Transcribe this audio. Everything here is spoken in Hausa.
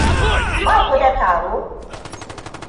Ba ku da taro?